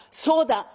そうだ！」。